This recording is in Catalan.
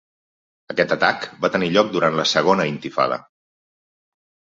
Aquest atac va tenir lloc durant la Segona Intifada.